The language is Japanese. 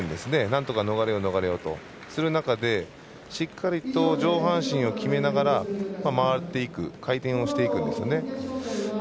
なんとか逃れようとする中でしっかりと上半身を決めながら回っていく回転をしていくんですね。